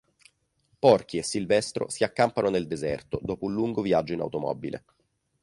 Porky e Silvestro si accampano nel deserto dopo un lungo viaggio in automobile.